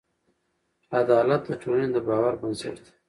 عدالت د ټولنې د باور بنسټ دی.